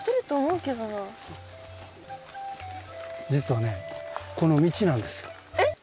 実はねこの道なんですよ。えっ？